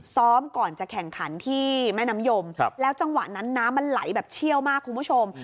ซ้อมก่อนจะแข่งขันที่แม่น้ำยมแล้วจังหวะนั้นน้ำมันไหลแบบเชี่ยวมากคุณผู้ชม